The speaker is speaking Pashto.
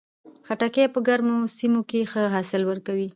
خټکی په ګرمو سیمو کې ښه حاصل ورکوي.